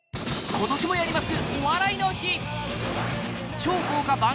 今年もやります。